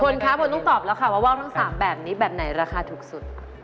พลคะพลต้องตอบแล้วค่ะว่าวทั้ง๓แบบนี้แบบไหนราคาถูกสุด